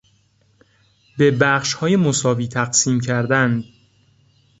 به بخشهای مساوی تقسیم کردن